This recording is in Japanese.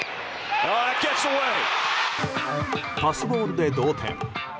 パスボールで同点。